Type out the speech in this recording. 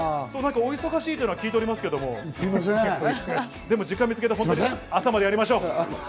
お忙しいとは聞いておりますけど、時間見つけて、朝までやりましょう。